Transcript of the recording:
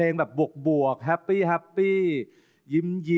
ไม่รู้เลย